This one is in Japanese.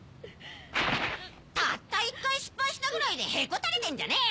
たったいっかいしっぱいしたぐらいでへこたれてんじゃねえ！